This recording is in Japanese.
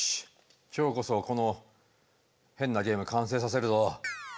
今日こそこの変なゲーム完成させるぞ！